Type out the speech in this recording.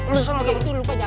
lu solok lupa jangan lupa ya